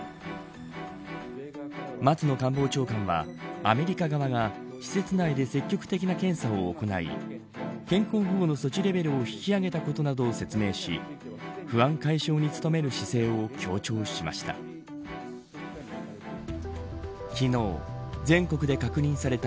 松野官房長官はアメリカ側が施設内で積極的な検査を行い健康保護の措置レベルを引き上げたことなどを説明し不安解消に努める姿勢を強調しました。